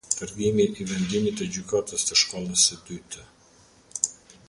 Dërgimi i vendimit të gjykatës së shkallës së dytë.